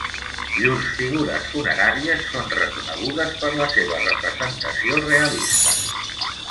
Llurs figures funeràries són reconegudes per la seva representació realista.